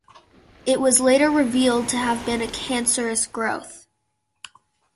It was later revealed to have been a cancerous growth.